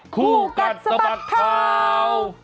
คู่กัดสมัครเท่า